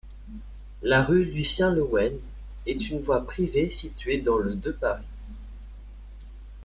La rue Lucien-Leuwen est une voie privée située dans le de Paris.